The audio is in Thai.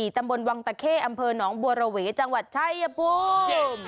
ตำบลวังตะเข้อำเภอหนองบัวระเวจังหวัดชายภูมิ